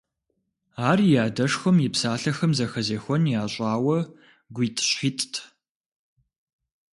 Ар и адэшхуэм и псалъэхэм зэхэзехуэн ящӀауэ, гуитӀщхьитӀт…